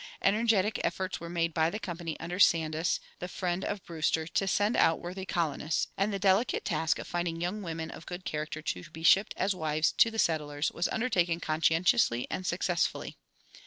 Energetic efforts were made by the Company under Sandys, the friend of Brewster, to send out worthy colonists; and the delicate task of finding young women of good character to be shipped as wives to the settlers was undertaken conscientiously and successfully.